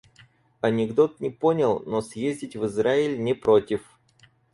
Анекдот не понял, но съездить в Израиль не против